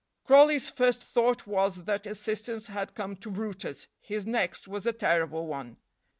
Crawley's first thought was that assistance had come to brutus; his next was a terrible one.